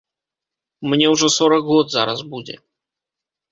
Мне ўжо сорак год зараз будзе.